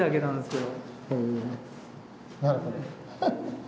なるほど。